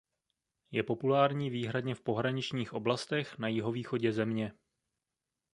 Je populární výhradně v pohraničních oblastech na jihovýchodě země.